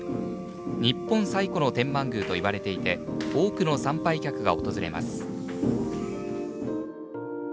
日本最古の天満宮と言われていて多くの参拝客が訪れます。